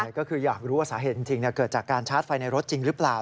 ก็คืออยากรู้ว่าสาเหตุจริงเกิดจากการชาร์จไฟในรถจริงหรือเปล่า